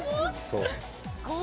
そう。